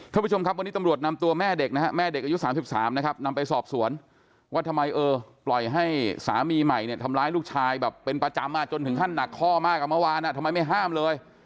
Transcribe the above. ท่านผู้ชมครับวันนี้ตำรวจนำตัวแม่เด็กนะฮะแม่เด็กอายุ๓๓นะครับนำไปสอบสวนว่าทำไมเออปล่อยให้สามีใหม่เนี่ยทำร้ายลูกชายแบบเป็นประจำจนถึงขั้นหนักข้อมากกับเมื่อวานทำไมไม่ห้ามเลย